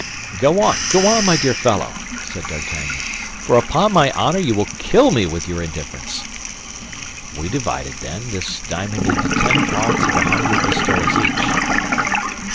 "Go on, go on, my dear fellow!" said D'Artagnan; "for upon my honor, you will kill me with your indifference." "We divided, then, this diamond into ten parts of a hundred pistoles each."